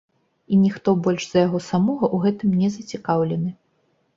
І ніхто больш за яго самога ў гэтым не зацікаўлены.